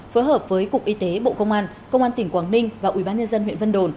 phối hợp với cục y tế bộ công an công an tỉnh quảng ninh và ubnd huyện vân đồn